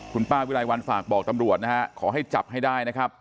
คุณป้าวิรัยวัลฝากบอกตำรวจนะฮะขอให้จับให้ได้นะครับ